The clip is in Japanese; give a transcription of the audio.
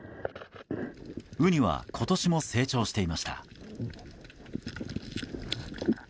ウニは今年も成長していました。